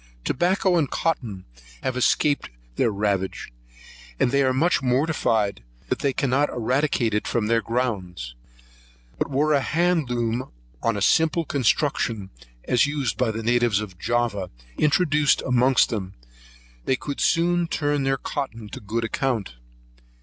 Tobacco and cotton have escaped their ravage; and they are much mortified that they cannot eradicate it from their grounds: but were a handloom on a simple construction, as used by the natives of Java, introduced amongst them, they could soon turn their cotton to good account.